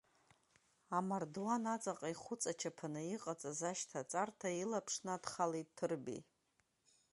Амардуан аҵаҟа ихәыҵачаԥаны иҟаҵаз ашьҭаҵарҭа илаԥш надхалеит Ҭырбеи.